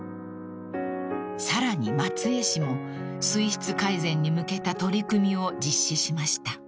［さらに松江市も水質改善に向けた取り組みを実施しました］